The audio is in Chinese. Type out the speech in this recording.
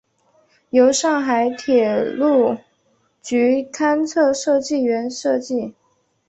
由上海铁路局勘测设计院设计。